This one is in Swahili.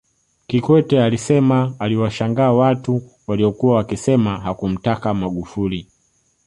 Kikwete alisema aliwashangaa watu waliokuwa wakisema hakumtaka Magufuli